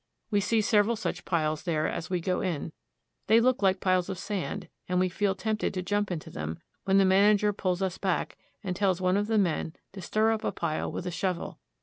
We see several such piles there as we go in. They look like piles of sand, and we feel tempted to jump into them, when the man ager pulls us back, and tells one of the men to stir up a pile with a shovel.